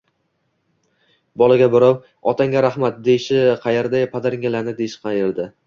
Bolaga birov: “Otangga rahmat!” deyishi qayerdayu, “Padaringga la’nat!” deyishi qayerda?!